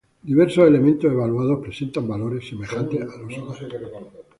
Diversos elementos evaluados presentan valores semejantes a los solares.